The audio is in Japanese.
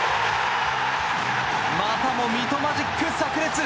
またもミトマジックさく裂。